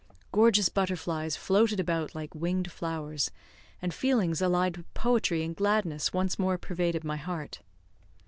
Gorgeous butterflies floated about like winged flowers, and feelings allied to poetry and gladness once more pervaded my heart.